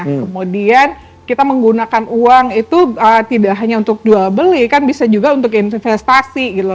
kemudian kita menggunakan uang itu tidak hanya untuk jual beli kan bisa juga untuk investasi gitu loh